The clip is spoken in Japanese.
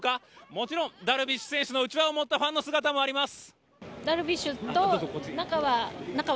もちろんダルビッシュ選手のうちわを持ったファンの姿もあります。